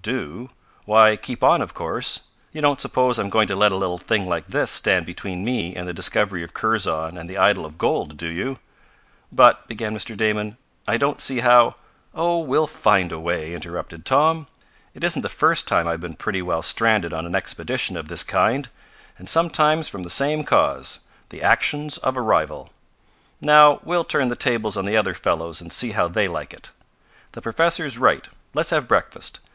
"Do? Why keep on, of course. You don't suppose I'm going to let a little thing like this stand between me and the discovery of Kurzon and the idol of gold, do you?" "But," began Mr. Damon, "I don't see how " "Oh, we'll find a way," interrupted Tom. "It isn't the first time I've been pretty well stranded on an expedition of this kind, and sometimes from the same cause the actions of a rival. Now we'll turn the tables on the other fellows and see how they like it. The professor's right let's have breakfast.